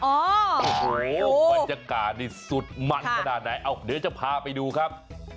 โอ้โหบรรยากาศนี่สุดมันขนาดไหนเอาเดี๋ยวจะพาไปดูครับ